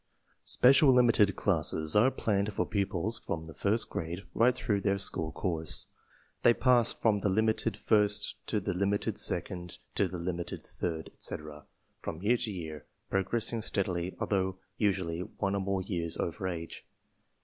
S pecial limit ed classes are planned for pupils from the first grade jSg^throu^KrtHeir school course. They pass from the limited first „to the limited second to the limited third, etc., from year to year, progressing stead ily although usually one or more years over age.